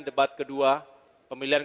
debat kedua pemilihan